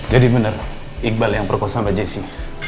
jadi bener iqbal yang perkosa mbak jessy